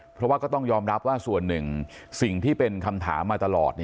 เพราะว่าก็ต้องยอมรับว่าส่วนหนึ่งสิ่งที่เป็นคำถามมาตลอด